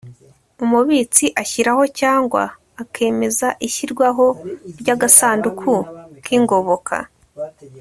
umubitsi ashyiraho cyangwa akemeza ishyirwaho ry'agasanduku k'ingoboka